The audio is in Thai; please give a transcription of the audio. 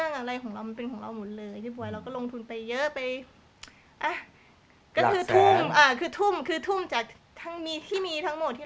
น้องก็เลยยังมี